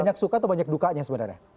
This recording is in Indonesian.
banyak suka atau banyak dukanya sebenarnya